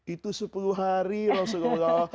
itu sepuluh hari rasulullah